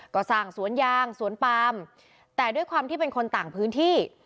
ก็สร้างสวนยางสวนปามแต่ด้วยความที่เป็นคนต่างพื้นที่